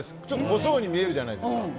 濃そうに見えるじゃないですか。